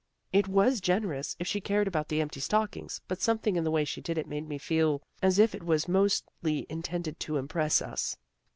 " It was generous, if she cared about the Empty Stockings, but something in the way she did it made me feel as if it was mostly intended to impress us."